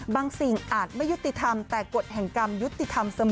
สิ่งอาจไม่ยุติธรรมแต่กฎแห่งกรรมยุติธรรมเสมอ